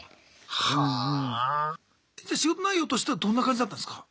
じゃ仕事内容としてはどんな感じだったんすか？